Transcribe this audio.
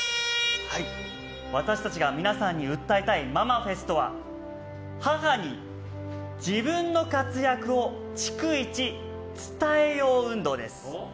私たちが皆さんに訴えたいママフェストは母に自分の活躍を逐一伝えよう運動です。